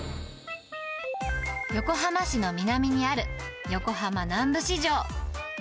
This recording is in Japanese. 横浜市の南にある横浜南部市場。